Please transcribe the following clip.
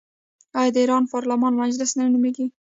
آیا د ایران پارلمان مجلس نه نومیږي؟